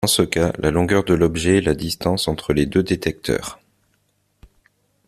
Dans ce cas, la longueur de l'objet est la distance entre les deux détecteurs.